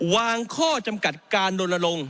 วางข้อจำกัดการลนลง